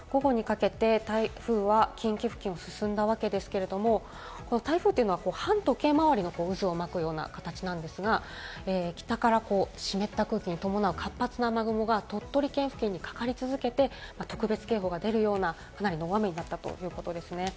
午後にかけて、台風は近畿地方を進んだんですけれども、台風は反時計回りの渦を巻くような形なんですが、北からこう、湿った空気に伴う活発な雨雲が鳥取県付近にかかり続けて、特別警報が出るようなかなりの大雨になったということです。